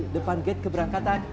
depan gate keberangkatan